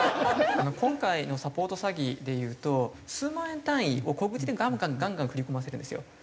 今回のサポート詐欺で言うと数万円単位を小口でガンガンガンガン振り込ませるんですよ。